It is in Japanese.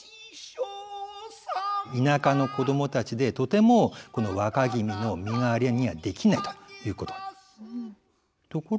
田舎の子供たちでとてもこの若君の身代わりにはできないということ。